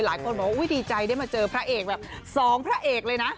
หลายคนบอกว่าดีใจได้มาเจอพระเอกแบบสองพระเอกเลยนะ